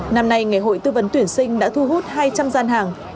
năm nay ngày hội tư vấn tuyển sinh đã thu hút hai trăm linh gian hàng